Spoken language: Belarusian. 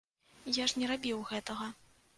Я ж не рабіў гэтага.